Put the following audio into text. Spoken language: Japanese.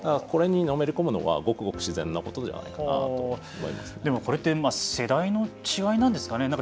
これにのめり込むのはごくごく自然なことではでもこれって世代の違いなんですかね。